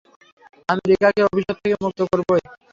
আমি রিকাকে অভিশাপ থেকে মুক্ত করবোই!